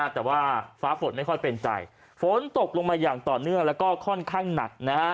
แต่ว่าฟ้าฝนไม่ค่อยเป็นใจฝนตกลงมาอย่างต่อเนื่องแล้วก็ค่อนข้างหนักนะฮะ